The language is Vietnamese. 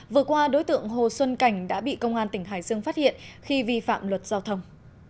vừa qua đối tượng hồ xuân cảnh đã bị công an tỉnh hải dương phát hiện khi vi phạm luật giao thông